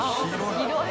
広い。